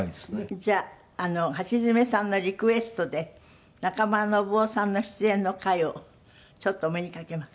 じゃあ橋爪さんのリクエストで中村伸郎さんの出演の回をちょっとお目にかけます。